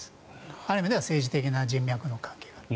ある意味では政治的な人脈の関係がある。